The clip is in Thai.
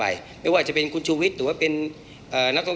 มีการที่จะพยายามติดศิลป์บ่นเจ้าพระงานนะครับ